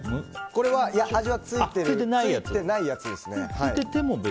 これは味は付いてないやつですね。